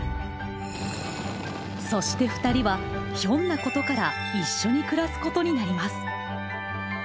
そしてふたりはひょんなことから一緒に暮らすことになります！